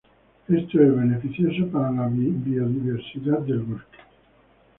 Esto es beneficioso para biodiversidad del bosque.